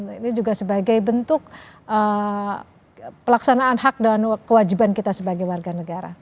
ini juga sebagai bentuk pelaksanaan hak dan kewajiban kita sebagai warga negara